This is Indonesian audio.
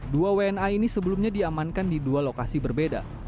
dua wna ini sebelumnya diamankan di dua lokasi berbeda